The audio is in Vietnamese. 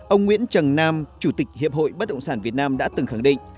ông nguyễn trần nam chủ tịch hiệp hội bất động sản việt nam đã từng khẳng định